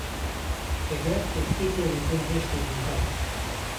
Heger tu têkevî bin destê bûkan.